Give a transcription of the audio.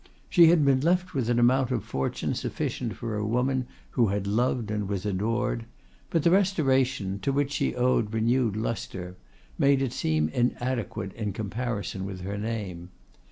She had been left with an amount of fortune sufficient for a woman who had loved and was adored; but the Restoration, to which she owed renewed lustre, made it seem inadequate in comparison with her name.